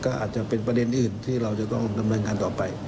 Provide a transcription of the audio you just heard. ก็อาจจะเป็นประเด็นอื่นที่เราจะต้องดำเนินงานต่อไป